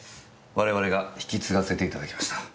我々が引き継がせていただきました。